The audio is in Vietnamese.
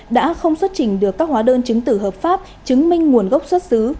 đã không xuất trình được các hóa đơn chứng tử hợp pháp chứng minh nguồn gốc xuất xứ